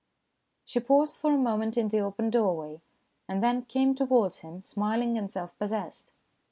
She paused for a moment in the open doorway, and then came towards him, smiling and self possessed.